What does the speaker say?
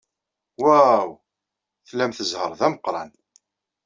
Waw! Tlamt zzheṛ d ameqran.